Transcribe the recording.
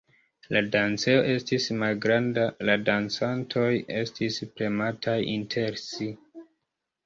La dancejo estis malgranda, la dancantoj estis premataj inter si.